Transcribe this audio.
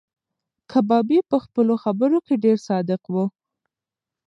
کبابي په خپلو خبرو کې ډېر صادق و.